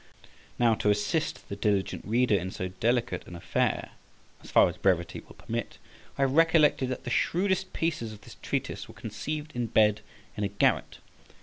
Now, to assist the diligent reader in so delicate an affair—as far as brevity will permit—I have recollected that the shrewdest pieces of this treatise were conceived in bed in a garret.